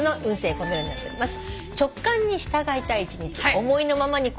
このようになっております。